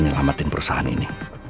menyelamatin perusahaan ini